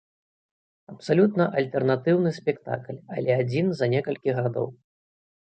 Абсалютна альтэрнатыўны спектакль, але адзін за некалькі гадоў.